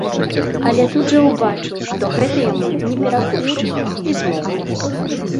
Але тут жа ўбачыў, што гэта яму не перакупшчык, і змоўк.